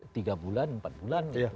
tiga bulan empat bulan